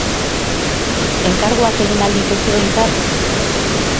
Enkarguak egin al dituzu behintzat?